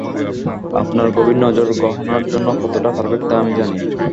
আপনার গভীর নজর গহনার জন্য কতটা পারফেক্ট, তা আমি জানি।